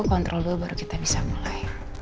kontrol dulu baru kita bisa mulai